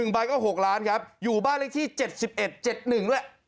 ใบก็๖ล้านครับอยู่บ้านเลขที่๗๑๗๑ด้วย